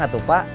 gak tuh pak